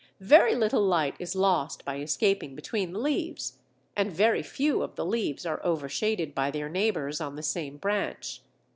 Very little light is lost by escaping between the leaves, and very few of the leaves are overshaded by their neighbours on the same branch.